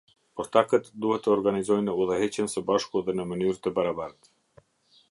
Ortakët duhet të organizojnë udhëheqjen së bashku dhe në mënyrë të barabartë.